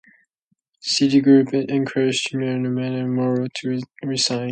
Citigroup encouraged Manuel Medina-Mora to resign.